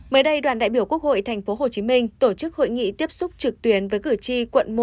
mới đây đoàn đại biểu quốc hội tp hcm tổ chức hội nghị tiếp xúc trực tuyến với cử tri quận một